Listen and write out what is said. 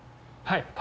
はい。